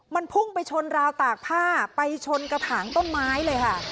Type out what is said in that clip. มันพุ่งไปชนราวตากผ้าไปชนกระถางต้นไม้เลยค่ะ